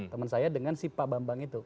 teman saya dengan si pak bambang itu